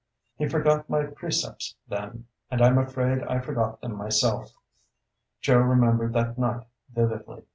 He forgot my precepts then, and I'm afraid I forgot them myself. Joe remembered that night vividly.